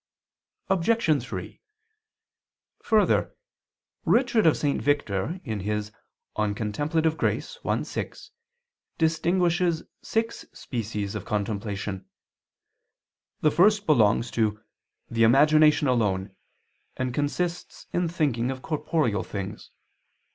Obj. 3: Further, Richard of St. Victor [*De Grat. Contempl. i, 6] distinguishes six species of contemplation. The first belongs to "the imagination alone," and consists in thinking of corporeal things.